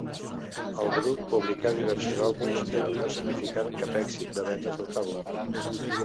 El grup publicà diversos àlbums però no significaren cap èxit de vendes notable.